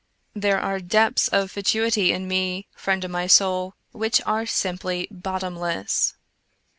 There are depths of fatuity in me, friend o' my soul, which are simply bottomless